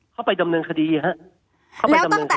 เข้าไปดำเนินคดีครับ